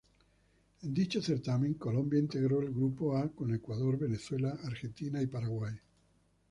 En dicho certamen Colombia integró el Grupo A con Ecuador, Venezuela, Argentina y Paraguay.